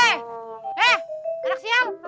eh anak sial